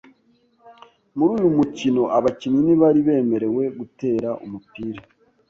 Muri uyu mukino, abakinnyi ntibari bemerewe gutera umupira .